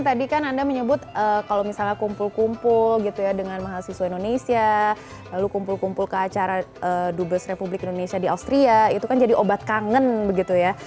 tadi kan anda menyebut kalau misalnya kumpul kumpul gitu ya dengan mahasiswa indonesia lalu kumpul kumpul ke acara dubes republik indonesia di austria itu kan jadi obat kangen begitu ya